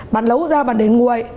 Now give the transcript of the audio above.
bạn lấu ra bạn để nguội